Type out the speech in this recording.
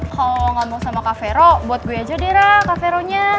kalo ngomong sama kavero buat gue aja deh ra kaveronya